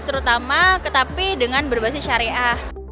terutama dengan berbahasa syari a